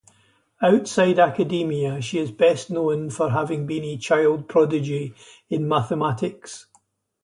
Outside academia, she is best known for having been a child prodigy in mathematics.